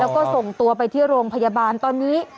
แล้วก็ส่งตัวไปที่โรงพยาบาลตอนนี้